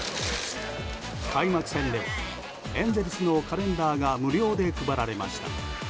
開幕戦ではエンゼルスのカレンダーが無料で配られました。